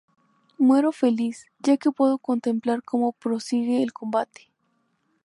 Muero feliz, ya que puedo contemplar cómo prosigue el combate.